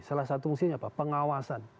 salah satu fungsinya apa pengawasan